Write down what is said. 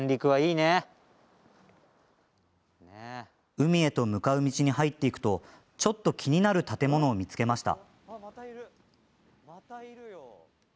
海へと向かう道に入っていくとちょっと気になる建物を見つけました。